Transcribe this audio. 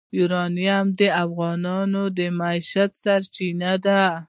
یورانیم د افغانانو د معیشت سرچینه ده.